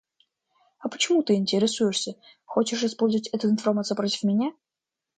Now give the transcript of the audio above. А почему ты интересуешься? Хочешь использовать эту информацию против меня?